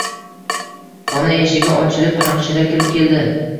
Xona eshigi ochilib hamshira kirib keldi.